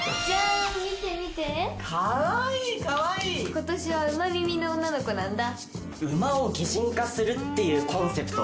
今年は馬耳の女の子なんだ。